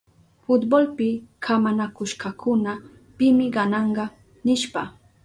Fultbolpi kamanakushkakuna pimi gananka nishpa.